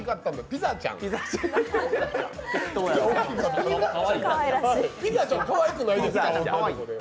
ピザちゃん、かわいくないですか？